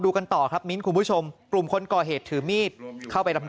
กันต่อครับมิ้นคุณผู้ชมกลุ่มคนก่อเหตุถือมีดเข้าไปลำ